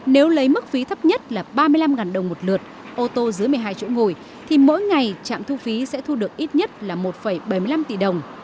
nếu lấy mức phí thấp nhất là ba mươi năm đồng một lượt ô tô dưới một mươi hai chỗ ngồi thì mỗi ngày trạm thu phí sẽ thu được ít nhất là một bảy mươi năm tỷ đồng